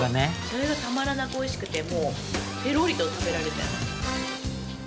それがたまらなくおいしくてもうペロリと食べられちゃいます。